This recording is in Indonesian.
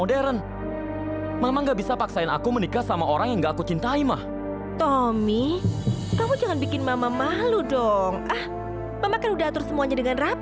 sampai jumpa di video selanjutnya